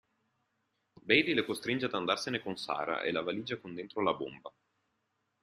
Bailey lo costringe ad andarsene con Sarah e la valigia con dentro la bomba.